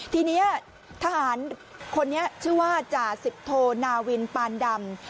ทีนี้ทหารคนนี้ชื่อว่าจ่าสิบโทนาวินปานดำ